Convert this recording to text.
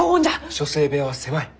書生部屋は狭い。